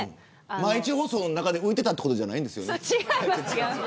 毎日放送の中で浮いていたということじゃないですよね。